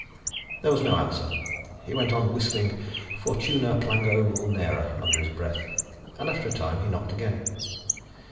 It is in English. There was no answer. He went on whistling "Fortuna plango vulnera" under his breath, and after a time he knocked again.